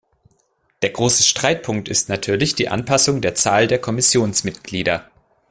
Der große Streitpunkt ist natürlich die Anpassung der Zahl der Kommissionsmitglieder.